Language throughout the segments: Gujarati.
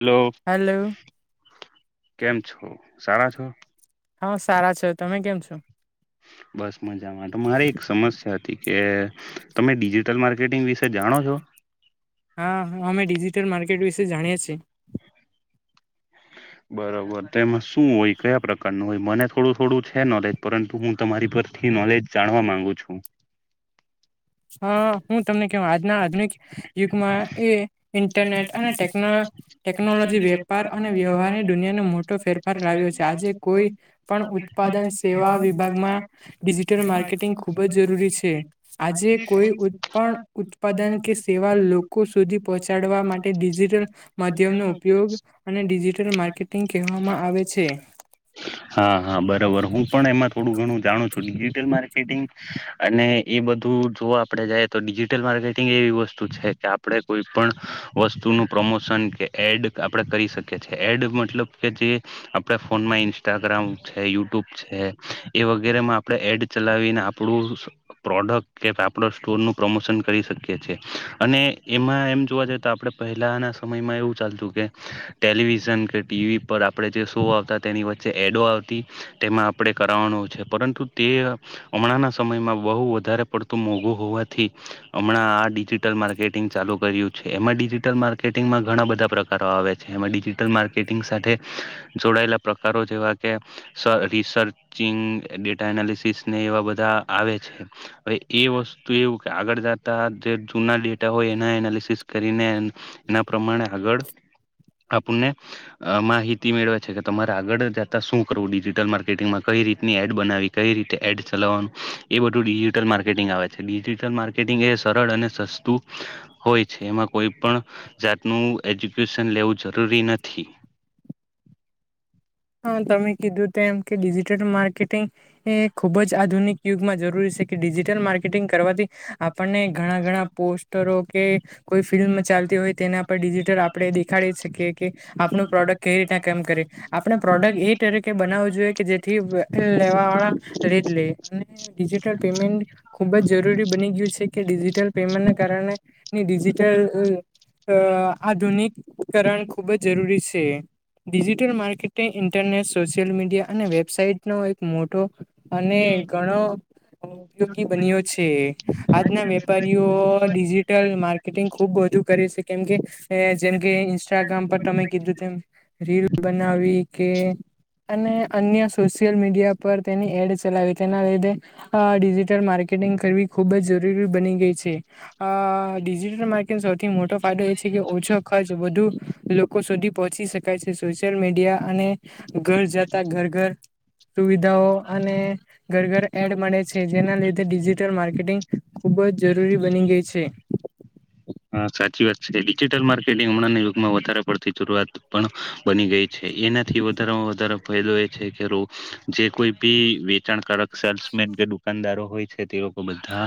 હલો કેમ છો સારા છો. બસ મજા મા મારે એક સમસ્યા હતી. કે તમે ડિજિટલ માર્કેટિંગ વિશે જાણો છો. હા હા અમે ડિજિટલ માર્કેટ વિશે જાણીએ છીએ. બરોબર તેમાં શું હોય કયા પ્રકારનું હોય મને થોડું થોડું છે નોલેજ પરંતુ હું તમારી પરથી નોલેજ જાણવા માંગુ છું. હા હું તમને કે આજના આધુનિક યુગમાં એ ઇન્ટરનેટ અને ટેકનો ટેકનોલોજી વેપાર અને વ્યવહાર દુનિયાનો મોટો ફેરફાર લાવ્યો છે આજે કોઈ પણ ઉત્પાદન સેવા વિભાગમાં ડિજિટલ માર્કેટિંગ ખૂબ જ જરૂરી છે આજે કોઈ ઉપ ઉત્પાદન કે સેવા લોકો સુધી પહોંચાડવા માટે ડિજિટલ માં માધ્યમનો ઉપયોગ અને ડિજિટલ માર્કેટ હા હા બરોબર હું પણ એમાં થોડું ઘણું જાણું છું. ડીજિટલ માર્કેટિંગ અને એ બધું જો આપડે જઈએ તો ડિજિટલ માર્કેટિંગ એવી વસ્તુ તું છે કે આપણે કોઈ પણ વસ્તુ નું પ્રમોશન કે એડ આપણે કરી શકીએ છીએ એડ પણ મતલબ કે જે આપડા ફોનમાં ઇન્સ્ટાગ્રામ છે યુટ્યુબ છે એ વગેરેમાં આપડે એ એડ ચલાવીને આપડું પ્રોડક્ટ કે આપડા સ્ટોર નું પ્રમોશન કરી શકીએ છીએ અને ને એમાં એમ જોવા જઈએ તો આપડે પહેલાંના સમયમાં એવું ચાલતું કે ટેલિવિઝન કે ટી વી પર આપડે જે શો આવતા તેની વચ્ચે એડો આવતી તેમાં આપડે કરાવનો છે પરંતુ તે તે હમણાં ના સમયમાં બહુ વધારે પડતું મોઘું હોવાથી હમણાં આ ડીજિટલ મા ર્કેટિંગ ચાલુ કર્યું છે એમાં ડિજિટલ માર્કેટિંગમાં ઘણા બધા પ્રકારો આવે છે એમાં ડિજિટલ માર્ક કેટિંગ સાથે જોડાયેલા પ્રકારો જેવા કે સ-રિસર્ચિંગ ડેટા એનાલિસિસને એવા બધા આવે છે હવે એ વસ્તુ એવું કે આગળ જ તા જે જૂના ડેટા હોય એના એનાલિસિસ કરીને એના પ્રમાણે આગળ આપ પુને માહિતી મેળવે છે કે તમારે આગળ જતા શું કરવું ડિજિટલ માર્કેટિંગમાં કઈ રીતની એડ બનાવી. કઈ રીતે એડ ચલાવવાનું એ બધું ડિજિટલ માર્કેટિંગ આવે છે ડિજિટલ માર્કેટિંગ એ સરળ અને સસ્તું હોય છે એમાં કોઈ પણ જાતનું એજ્યુકેશન લેવું જરૂરી નથી. થી હા તમે કીધું તેમ કે ડિજિટલ માર્કેટિંગ એ ખૂબ જ આધુનિક યુગમાં જરૂરી છે કે ડિજિટલ માર્કેટિંગ કરવાથી આપણને ઘણા ઘણા પોસ્ટ રો કે કોઈ ફિલ્મ ચાલતી હોય તેના પર ડિજિટલ આપણે દેખાડી શકીએ કે આપણો પ્રોડક્ટ કેઈ રીતના કેમ કરી આપણે પ્રોડક્ટ એ તરીકે બનાવવું જોઈએ કે જેથી લેવા વાળા લી લે અને પેમેન્ટ ખૂબ જ જરૂરી બની ગયું છે કે ડિજિટલ પેમેન્ટ કારણે હ હમ અ આધુનિકકરણ ખૂબ જ જરૂરી છે ડિજિટલ માર્ કે ઇન્ટરનેટ સોશિયલ મીડિયા અને વેબસાઇટ નો એક મોટો અને ઘણો ઉપયોગી બન્યો છે આજના વેપારીઓ ડિજિટલ માર્કેટિંગ ખુબ છે કેમ કે જેમ કે ઇન્સ્ટાગ્રામ પર તમે કીધું તેમ રીલ બ આવી કે અને અન્ય સોશિયલ મીડિયા પર તેની એડ ચલાવી તેના લીધે અ ડિજિટલ માર્કેટિંગ કરવી ખૂબ જ જરૂરી બની ગઈ છે, અ ડિજિટલ માર્કિંગ સૌથી મોટો ફાયદો એ છે કે ઓછા ખર્ચ બધુ લોકો સુધી પહોંચી શકાય છે, સોશિયલ મીડિયા અને ઘર જતા ઘર ઘર સુવિધાઓ અને ઘર ઘર એડ મળે છે. જેના લીધે ડિજિટલ માર્કેટિંગ ખુ બવ જરૂરી બની ગઈ છે. હા સાચી વાત છે ડિજિટલ માર્કેટિંગ હમણાં યુગમાં વધારે પડતી શરૂઆત પણ બની ગઈ છે એનાથી વધ તરફ ફાયદો હોય છે કે રો જે કોઈ બી વેચાણકારક સેલ્સમેન કે દુકાનદારો હોય છે લોકો બધા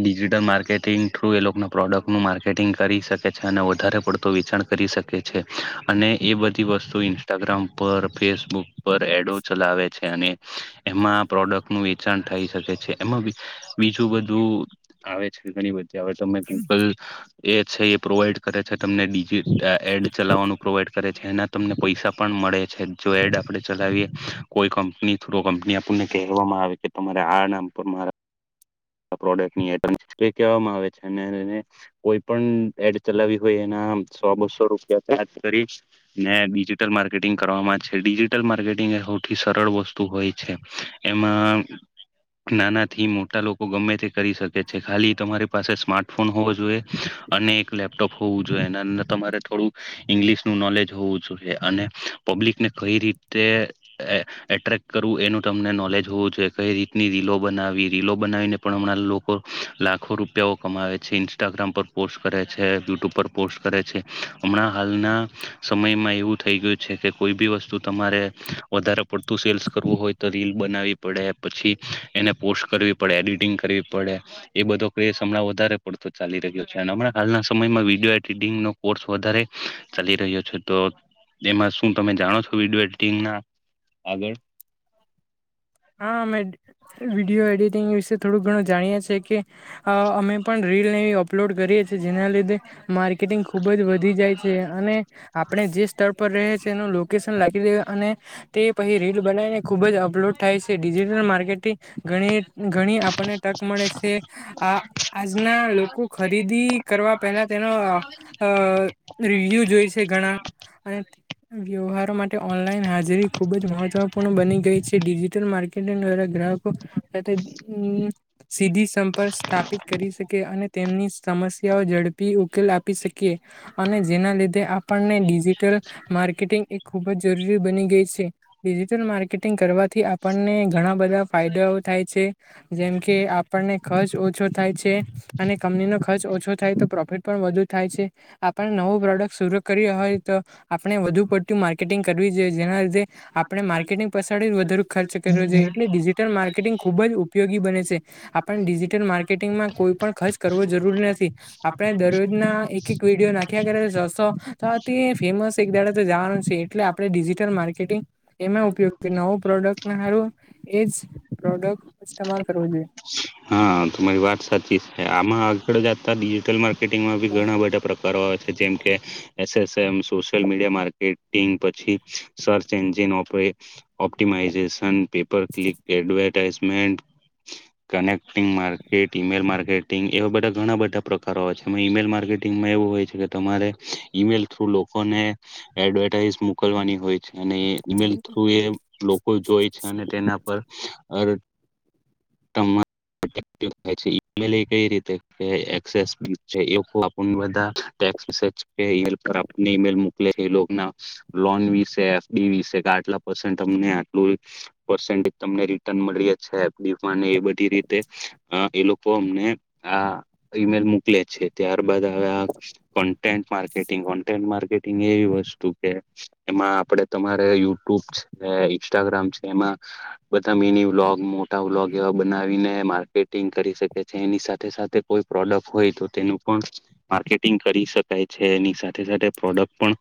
ડિજિટલ માર્કેટિંગ થ્રુ એ ના પ્રોડક્ટનું માર્કેટિંગ કર કરી શકે છે અને વધારે પડતો વેચાણ કરી શકે છે અને એ બધી વસ્તુ ઇન્સ્ટાગ્રામ પર, ફેસબુક પર એડો ચલાવે છે અને એમાં આ પ્રોડક્ટનું વેચાણ થઇ શકે છે. એમાં બીજું બધું આવે છે ઘણી બધ તે હવે તમે સીમ્પલ એ છે એ પ્રોવાઈડ કરે છે તમને ડિજીટ એડ ચલાવવાનું પ્રોવાઈડ કરે છે એના તમને પૈસા પણ મળે છે. જો એડ આપડે ચલાવીએ કોઈ કંપની થ્રુ કંપની આપણને કહેવામાં આવે કે તમારે આ નામ પર મારા આ પ્રોડક્ટની આમ કહેવામાં આવે છે અને કોઈ પણ એડ ચલાવી હોય એના સો બસો રૂપિયા ચાજ કરીશ ને ડિજિટલ માર્કેટિંગ કરવામાં છે. ડિજિટલ માર્કેટિંગ સૌથી સરળ વસ્તુ હોય છે. એમાં નાના થી મોટા લોક ગમે તે કરી શકે છે. ખાલી તમારી પાસે સ્માર્ટફોન હોવો જોઈએ અને એક લેપટોપ હોવું જોઈએ. તમારે થોડું ઇંગ્લિશ નું નોલેજ હોવું જોઈએ અને પબ્લિકને કઈ રીતે એ એટ્રેક્ટ કરવું એનું તમને નોલેજ હોવું જોઈએ. કઈ રીતની રીલો બનાવી રીલો બનાવીને પણ હમણાં લોકો લાખો રૂપિયાઓ કમાવે છે. ઇન્સ્ટાગ્રામ પર પોસ્ટ કરે છે, યુટ્યુબ પર પોસ્ટ કરે છે. હમણાં હાલના સમયમાં એવું થઈ ગયું છે કે કોઈ બી વસ્તુ તમારે વધારે પડતું સેલ્સ કરવું હોય તો રીલ બનાવી પડે પછી એને પોસ્ટ કરવી પડે એડિટ ટિંગ કરવી પડે એ બધો ક્રેઝ હમણાં વધારે પડતો ચાલી રહ્યો છે હમણા હાલના સમયમાં વિડીયો એડ ટિંગ નો કોર્સ વધારે ચાલી રહ્યો છે તો એમાં શું તમે જાણો છો વિડયો એડિટિંગ ના હા, મેં વિડીયો એડિટિંગ વિશે થોડુંક ઘણું જાણીએ છીએ કે અહ અમે પણ રીલને એવી અપલોડ કરીએ છીએ જેના લીધે માર્ક કેટિંગ ખૂબ જ વધી જાય છે અને આપણે જે સ્થળ પર રહે છે એનું લોકેશન લાગી દે અને તે પહિ રીલ બનાવીને ખુબ જ અપલોડ થાય છે ડિજિટલ માર્કેટિંગ ઘણી ધ ણી આપણને તક મળે છે. આ આજના લોકો ખરીદી કરવા પહેલા તેનો અહ અહ [inaudible] જો જણા અને વ્યવહારો માટે ઓનલાઈન હાજરી ખુબ જ જે મહત્વપૂર્ણ બની ગઈ છે ડિજિટલ માર્કેટિંગ દ્વારા ગ્રાહકો સાથે અમ્મ સીધી સંપર્ક સ્થાપિત કરી શકે અને તેમની સમસ્યા ઝડપી ઉકેલ આપી શકીએ અને જેના લીધે આપણને ડિજિટલ માર્ક માર્કેટિંગ એ ખૂબ જ જરૂરી બની ગઈ છે. ડિજિટલ માર્કેટિંગ કરવાથી આપણને ઘણા બધા ફાયદાઓ થાય છે જેમ કે આપણને ખર્ચ ઓછો થાય છે અને કંપનીનો ખર્ચ ઓછો થાય તો પ્રોફિટ પણ વધુ આપણે નવો પ્રોડક્ટ શરૂ કર્યો હોય તો આપણે વધુ પડતું માર્કેટિંગ કરવી જોઈએ જેના લીધે આપણે માર્કેટિંગ પછળી જ વધુ ખર્ચ કર્યો છે એટલે ડિજીિટલ માર્કેટિંગ ખુબ જ ઉપયોગી બને છે. આપણ ડિજિટલ માર્કેટિંગમાં કોઈ પણ ખર્ચ કરવો જરૂરી નથી. આપણે દરરોજના એક એક વિડીિય નાખ્યાગરે જશો તો આ તે ફેમસ એક દાડે તો જવાનું છે. એટલે આપડે ડિજિટલ માર્કેટિંગ એમાં ઉપયોગ નવું પ્રોડક્ટ સારું એજ પ્રોડક્ટઇમાલ કરવો જોઈએ. હા, તમારી વાત સાચી છે. આમાં આગળ જાત છા ડિજિટલ માર્કેટિંગમાં બી ઘણા બધા પ્રકારો આવે છે જેમ કે S S M, social media marketing પછી સર્ચ એન્જિન ઓપરે optimization pay per click advertisement connecting market email marketing એવા બધા ઘણા બધા પ્રકારો હોય છેમાં ઈમેલ માર્કેટિંગમાં એવું હોય છે કે તમારે ઈમેલ થ્રુ લોકોને એડવર્ટાઈઝ મોકલવાની હોય. અને ઈમેલ થ્રુ એ લોકો જોય છે અને તેના પર અર તમા [inaudible] કે કઈ રીતે એ ઍક્સેસ બી છે એ આપણ ને બધા સર્ચ કે ઈમેલ પર આપની મોકલે છે એ લોક ના લોન વિશે કે એફ ડી વિશે કે એટલા આ પર્સેન્ટ હમને પર્સેન્ટ તમને રિટર્ન મળીએ છે એફ ડી માને એ બધી રીતે અહ એ લોકો અમને આ ઈમેલ મોકલે છે ત્યારબાદ અહ કોન્ટેન્ટ માર્કેટિંગ કોન્ટેન્ટ માર્કેટિંગ એવી વસ્તુ કે એમાં આપડે કે તમારે યુટ્યુબ છે ઇન્સ્ટાગ્રામ છે એમાં બધા મીની વ્લોગ મોટા વ્લોગ યા બનાવીને માર્કેટિંગ કરી શકે છે એની સાથે સાથે કોઈ પ્રોડક્ટ હોય તો તેનું પણ માર્કેટિંગ કરી શકાય છે એની સાથે સાથે પ્રોડક્ટ પણ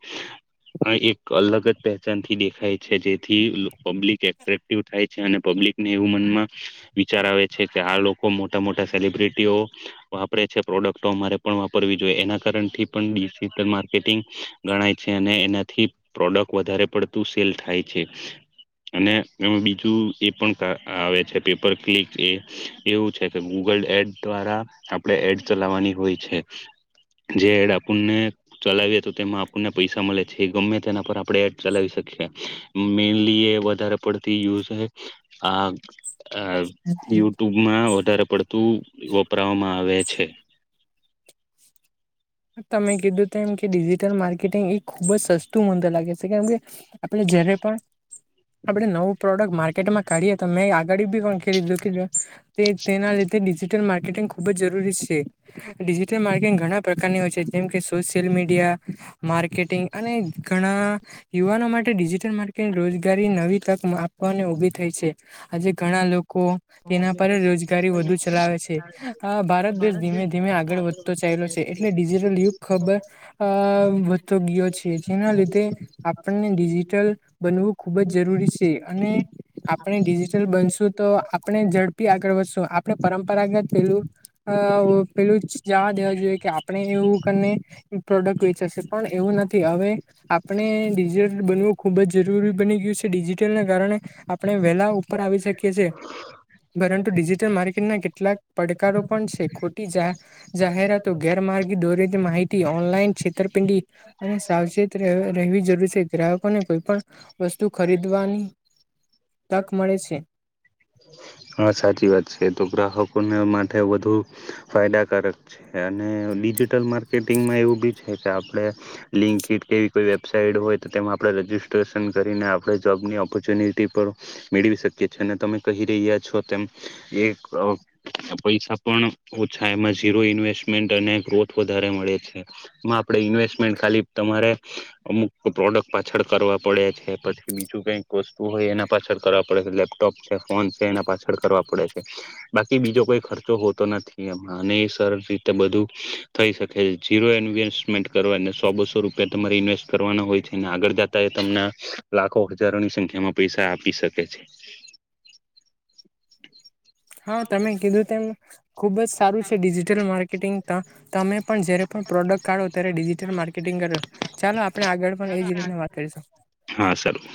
આ એક અલગ જ પહેચાન થી દેખાય છે જેથી લો પબ્લિક એટ્રેક્ટિવ થાય છે અને પબ્લિકને એવું મનમાં વિચાર આવે છે કે આ લોકો મોટા મોટા સેલિબ્રિટીઓ વાપરે છે પ્રોડક્ટો તો અમારે પણ વાપરવી જો એના કારણ થી પણ ડિસીટલ માર્કેટિંગ ગણાય છે અને એનાથી પ્રોડક્ટ વધારે પડતું સેલ થાય છે અને એમાં બીજું એ પણ કા આવે છે પે પર ક્લિક એ એવું છે કે ગૂગલ એડ દ્વારા આપડે એડ ચલાવાની હોય છે જે એડ આપણને ચલાવીએ તો તેમાં આપણને પૈસા મલે છે ગમે તેના પર આપડે ચલાવી શકશે મેઇનલી એ વધારે પડતી યુઝ આ આ. યુટ્યુબમાં વધારે પડતું વપરાવામાં આવે છે. તમે કીધું તેમ કે ડિજિટલ કે માર્કેટિંગ એ ખુબ જ સસ્તું મન તો લાગે છે કેમ કે આપણે જ્યારે પણ આપડણે નવું પ્રોડક્ટ માર્કેટમાં કાઢીએ તો મેં આગળ બી કોધું કે તેના લીધે તે ડીજિટલ માર્કેટિંગ ખુબ જ જરૂરી છે. ડિજિટલ માર્કેકિંગ ઘણા પ્રકારની હોય છે જેમ કે સોશિયલ મીડિયા માર્કેટિંગ અને ઘણા યુવાનો માટે તે ડીજીટલ માર્કેટ રોજગારી નવી તક આપવાને ઉભી થઈ છે આજે ઘણા લોકો કો તેના પર જ રોજગારી વધુ ચલાવે છે. આ ભારત દેશ ધીમે-ધીમે આગળ વધતો ચાયલો છે. એટલે ડીજીટલ યુગ ખબર અ વધતો ગીયો છે જેના લીધે આપને ડિજિટલ બનવું ખૂબ જ જરૂરી છે અને આપણે ડિજિટલ બનશું તો આપ પી આગળ વધશો આપણે પરંપરાગત પેલું અ પેલું જવા દેવા જોઈએ. આપણે એવું કરને પ્રોડક્ટ વેચાશે પણ એવું નથી હવે આપણે ડિજિટલ બન ખૂબ ખૂબ જ જરૂરી બની ગયું છે ડિજિટલને કારણે આપણે વહેલા ઉપર આવી શકીએ છે. પરંતુ ડિજિટલ માર્કેટના કેટલાક પડકારો પણ છે ખોટી જાહે જાહેરાત- ગેરમાર્ગે દોરતી માહિતી ઓનલાઈન છેતરપિંડી અને સાવચેત રહ રહેવી જરૂર છે. ગ્રાહકોને કોઈ પણ વસ્તુ ખરીદવાની તક મળે છે. [inaudible] હા સાચી વાત છે તો ગ્રાહકોને માટે વધુ ફાયદાકારક છે અને નીચ ડિજિટલ માર્કેટિંગમાં એવું બી છે કે આપણે લિંકઈટ કેવી કોઈ વેબસાાઈટ હોય તો તેમાં આપણે રજી રિસ્ટ્રેશન કરીને આપણે જોબની ઓપોર્ચ્યુનિટી પણ મેળવી શકીએ છીએ અને તમે કહી રહ્યા છો તેમ એ પૈસા પણ ઓછા એમાં ઝીરો ઇન્વેસ્ટ મેન્ટ અને ગ્રોથ વધારે મળે છે એમાં આપણેે ઇન્વેસ્ટમેન્ટ ખાલી તમારે અમુક પ્રોડક્ટ પાછળ કરવા પડે છે પછી બીજું કંઈક વસ્તુ હોય એના પાછળ કરવા પડે છે લેપટોપ ફોન પે એના પાછળ કરવા પડે છે, બાકી બીજો કોઈ ખર્ચો હોતો નથી એમ. અને એ સર રીતે બધું થઈ શકે. ઝીરો ઇન્વેસ્ટમેન્ટ કરવાને સો બસો રૂપિયા તમારે ઇન્વેસ્ટ કરવાનો હોય છે ને આગળ જાતા એ તમને લાખો હજારોની સંખ્યામાં પૈસા આપી શકે છે. હા, તમે કીધું તેમ ખૂબ જ સારું છે ડિજિટલ માર્કેટિંગ તો. તમે પણ જ્યારે પણ પ્રોડક્ટ કાઢો ત્યારે ડિજિટલ માર્કેટિંગ કરો. ચાલો આપણે આગળ પણ એજ રીતના વાત કરીશું. હા સારું.